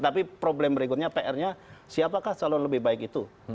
tapi problem berikutnya pr nya siapakah calon lebih baik itu